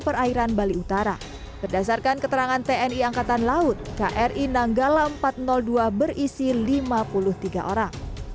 perairan bali utara berdasarkan keterangan tni angkatan laut kri nanggala empat ratus dua berisi lima puluh tiga orang